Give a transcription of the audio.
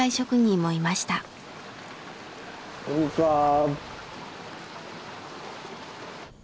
こんにちは。